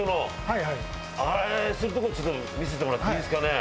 あれするとこちょっと見せてもらっていいですかね？